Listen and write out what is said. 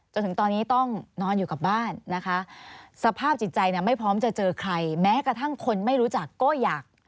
จนถึงตอนนี้ต้องนอนอยู่กับบ้านนะคะสภาพจิตใจเนี่ยไม่พร้อมจะเจอใครแม้กระทั่งคนไม่รู้จักก็อยาก